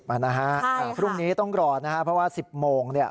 ๖๐อ่ะนะฮะพรุ่งนี้ต้องกรอดนะฮะเพราะว่า๑๐โมงเนี่ย